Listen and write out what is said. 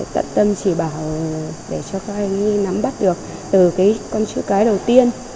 tận tâm chỉ bảo để cho các em nắm bắt được từ cái con chữ cái đầu tiên